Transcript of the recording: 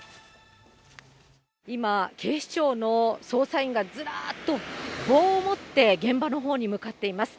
今、警視庁の捜査員がずらーっと棒を持って、現場のほうに向かっています。